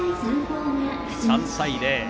３対０。